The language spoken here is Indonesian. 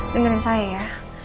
dengerin saya ya